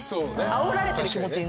あおられてる気持ちになる。